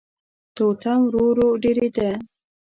تورتم ورو ورو ډېرېده.